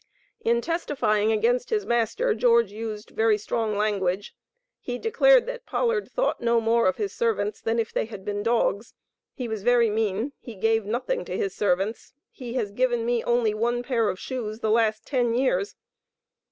In testifying against his master, George used very strong language. He declared that Pollard "thought no more of his servants than if they had been dogs. He was very mean. He gave nothing to his servants. He has given me only one pair of shoes the last ten years."